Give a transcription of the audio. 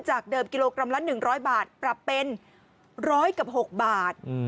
เดิมกิโลกรัมละ๑๐๐บาทปรับเป็น๑๐๐กับ๖บาท